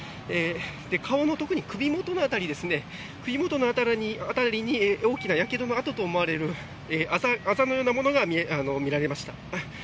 顔の特に首元の辺りに大きなやけどの痕と思われるあざのようなものが見られました。